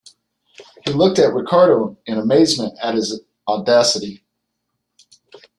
He looked at Ricardo in amazement at his audacity.